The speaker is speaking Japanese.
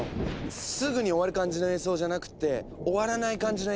すぐに終わる感じの演奏じゃなくって終わらない感じの演奏にできないかな？